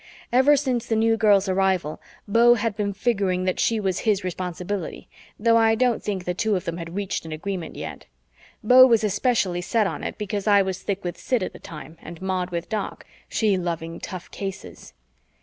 Ever since the New Girl's arrival, Beau had been figuring that she was his responsibility, though I don't think the two of them had reached an agreement yet. Beau was especially set on it because I was thick with Sid at the time and Maud with Doc, she loving tough cases.